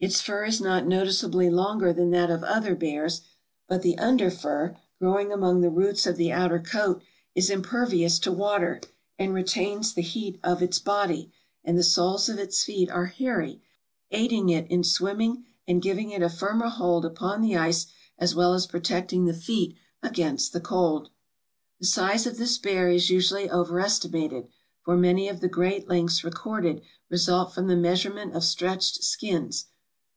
Its fur is not noticeably longer than that of other bears, but the under fur, growing among the roots of the outer coat, is 480 TRAVELERS AND EXPLORERS impervious to water and retains the heat of its body; and the soles of its feet are hairy, aiding it in swimming and giving it a firmer hold upon the ice as well as protecting the feet against cold. The size of this bear is usually overestimated, for many of the great lengths recorded result from the measurement of stretched skins.